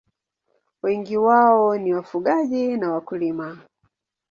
Wengi wao ni wafugaji na wakulima.